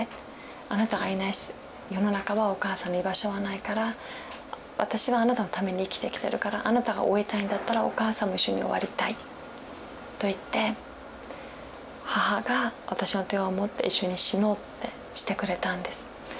あなたがいない世の中はお母さんの居場所はないから私はあなたのために生きてきてるからあなたが終えたいんだったらお母さんも一緒に終わりたい」と言って母が私の手を持って一緒に死のうってしてくれたんです。